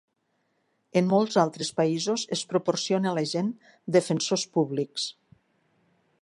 En molts altres països es proporciona a la gent defensors públics.